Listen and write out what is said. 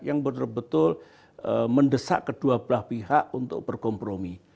yang benar benar mendesak kedua belah pihak untuk berkompromi